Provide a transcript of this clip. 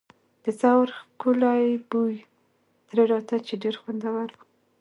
د سهار ښکلی بوی ترې راته، چې ډېر خوندور و.